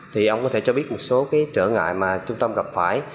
thì ông có thể cho biết một số cái trở ngại mà trung tâm gặp phải